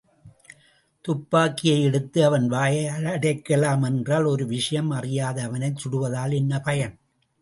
துப்பாக்கியை எடுத்து அவன் வாயை அடக்கலாம் என்றால் ஒரு விஷயம் அறியாத அவனைச் சுடுவதால் என்ன பயன்?